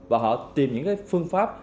và họ tìm những cái phương pháp